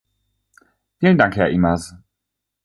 Vielen Dank, Herr Imaz.